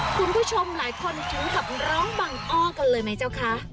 คุณผู้ชมหลายคนถึงกับร้องบังอ้อกันเลยไหมเจ้าคะ